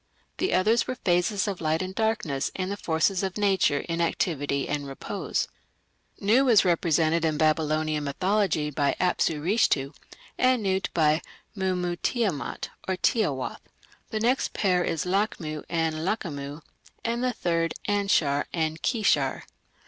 The others were phases of light and darkness and the forces of nature in activity and repose. Nu is represented in Babylonian mythology by Apsu Rishtu, and Nut by Mummu Tiamat or Tiawath; the next pair is Lachmu and Lachamu, and the third, Anshar and Kishar.